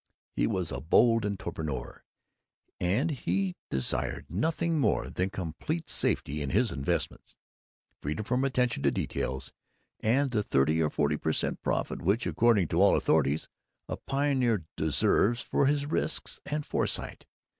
He was a bold entrepreneur, and he desired nothing more than complete safety in his investments, freedom from attention to details, and the thirty or forty per cent. profit which, according to all authorities, a pioneer deserves for his risks and foresight.